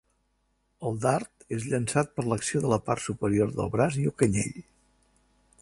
El dard és llançat per l'acció de la part superior del braç i el canell.